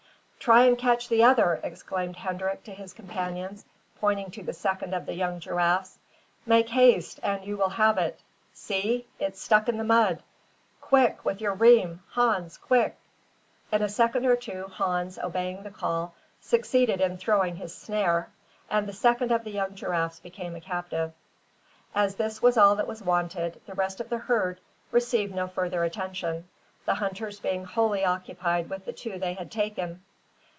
"Try and catch the other," exclaimed Hendrik to his companions, pointing to the second of the young giraffes. "Make haste, and you will have it. See! it's stuck in the mud. Quick with your rheim, Hans, quick!" In a second or two, Hans, obeying the call, succeeded in throwing his snare, and the second of the young giraffes became a captive. As this was all that was wanted, the rest of the herd received no further attention, the hunters being wholly occupied with the two they had taken.